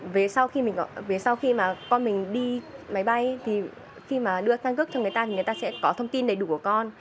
vì sau khi mà con mình đi máy bay thì khi mà đưa căn cước cho người ta thì người ta sẽ có thông tin đầy đủ của con